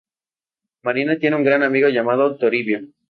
Marina tiene un gran amigo llamado Toribio.